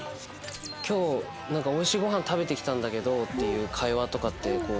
「今日おいしいごはん食べてきたんだけど」っていう会話とかってこう。